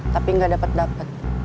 tapi gak dapet dapet